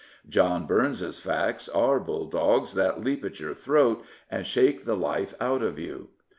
John Burns' facts are bulldogs that leap at your throat and shake the life out of you.